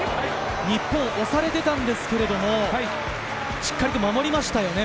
日本を押されていたんですけれども、しっかり守りましたね。